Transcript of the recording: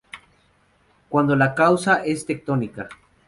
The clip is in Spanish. Cuando la causa es tectónica.